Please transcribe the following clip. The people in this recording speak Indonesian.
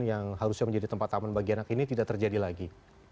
yang harusnya menjadi tempat aman bagi anak ini tidak terjadi lagi